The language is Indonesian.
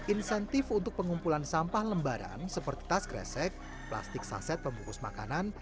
insentif untuk pengumpulan sampah lembaran seperti tas kresek plastik saset pembukus makanan